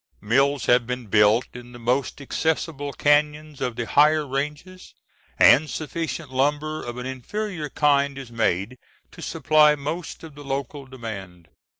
Mills have been built in the most accessible cañons of the higher ranges, and sufficient lumber of an inferior kind is made to supply most of the local demand.